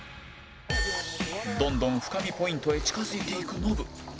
どんどん深みポイントへ近づいていくノブ